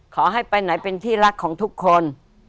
ขอให้ไปไหนเป็นที่รักของทุกคน